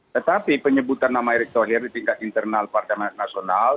tetapi penyebutan nama erick thohir di tingkat internal partai nasional